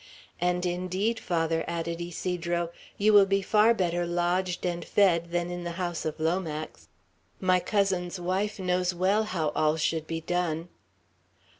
"And indeed, Father," added Ysidro, "you will be far better lodged and fed than in the house of Lomax. My cousin's wife knows well how all should be done."